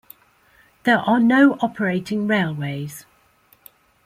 There are no operating railways.